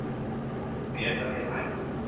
'เปลี่ยนประเทศไทย'